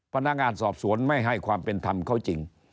พนักงานสอบสวนไม่ให้ความเป็นธรรมเขาจริง